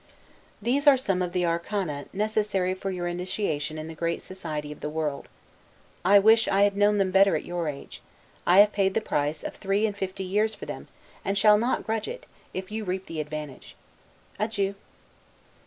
These are some of the arcana necessary for your initiation in the great society of the world. I wish I had known them better at your age; I have paid the price of three and fifty years for them, and shall not grudge it, if you reap the advantage. Adieu.